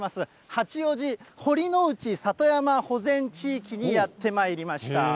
八王子堀之内里山保全地域にやってまいりました。